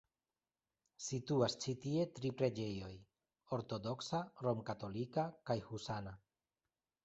Situas ĉi tie tri preĝejoj: ortodoksa, romkatolika kaj husana.